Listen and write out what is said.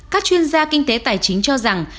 các chuyên gia kinh tế tài chính cho rằng